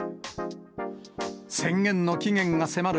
宣言の期限が迫る